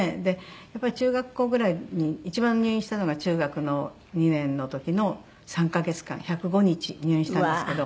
やっぱり中学校ぐらいに一番入院したのが中学の２年の時の３カ月間１０５日入院したんですけど。